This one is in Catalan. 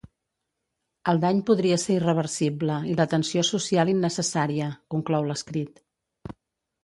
El dany podria ser irreversible i la tensió social innecessària, conclou l’escrit.